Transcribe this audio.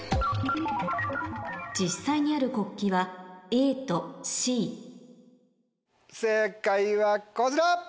実際にある国旗はＡとＣ正解はこちら！